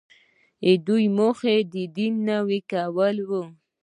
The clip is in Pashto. د دوی موخه د دین نوی کول وو.